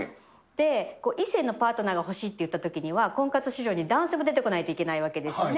異性のパートナーが欲しいっていったときには、婚活市場に男性が出てこないといけないわけですよね。